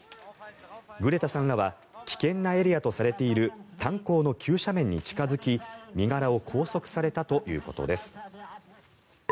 グレタさんらは危険なエリアとされている炭鉱の急斜面に近付き身柄を拘束されたということです。